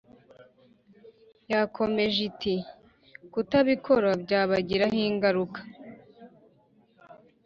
Yakomeje iti Kutabikora byabagiraho ingaruka